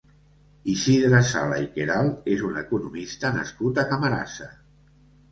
Isidre Sala i Queralt és un economista nascut a Camarasa.